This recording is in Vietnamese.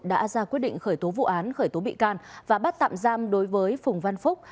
đã ra quyết định khởi tố vụ án khởi tố bị can và bắt tạm giam đối với phùng văn phúc